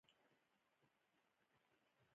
افغانستان د وحشي حیواناتو د ساتنې لپاره قوانین لري.